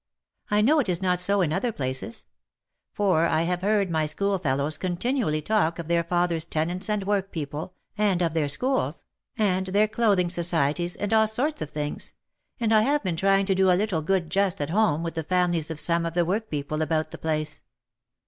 I know it is not so in other places ; for I have heard my schoolfellows continually talk of their fathers' tenants and work people, and of their schools, and their clothing societies, and all sorts of things, and I have been trying to do a little good just at home with the families of some of the work people about the place.